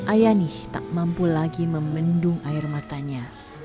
ayani tak mampu lagi memendung air matanya